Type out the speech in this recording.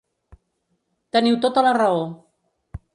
Teniu tota la raó.